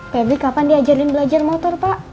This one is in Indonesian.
febri kapan diajarin belajar motor pak